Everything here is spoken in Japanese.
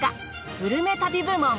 グルメ旅部門。